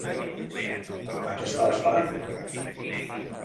A què estava esperant?